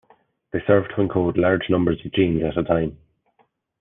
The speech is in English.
They serve to encode large numbers of genes at a time.